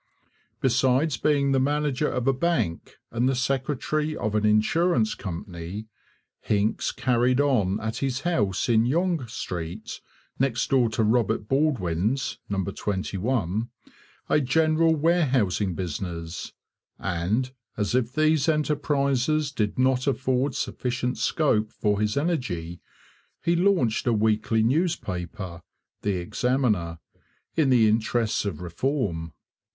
Besides being the manager of a bank and the secretary of an insurance company, Hincks carried on at his house in Yonge Street, next door to Robert Baldwin's (number 21), a general warehousing business; and, as if these enterprises did not afford sufficient scope for his energy, he launched a weekly newspaper, the Examiner, in the interests of Reform.